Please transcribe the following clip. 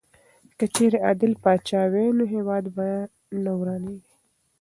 که چېرې عادل پاچا وای نو هېواد به نه ورانېدی.